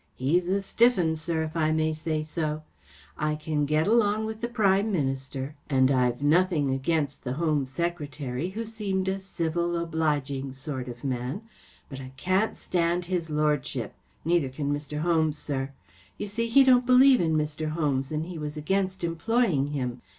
He's a stiff Tin, sir* if I may say so* I can get along w.th the Prime Minister* and I've Secret " y ’ who 290 The Adventure of seemed a civil, obliging sort of man, but I can't stand his lordship. Neither can Mr. Holmes, sir. You see, he don’t believe in Mr. Holmes and he was against employing him.